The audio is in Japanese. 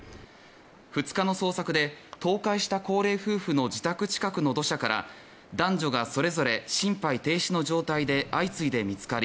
２日の捜索で倒壊した高齢夫婦の自宅近くの土砂から男女がそれぞれ心肺停止の状態で相次いで見つかり